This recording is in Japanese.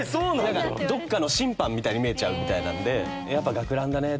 どっかの審判みたいに見えちゃうみたいなんで「やっぱ学ランだね」